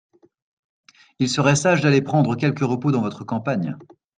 Il serait sage d'aller prendre quelque repos dans votre campagne.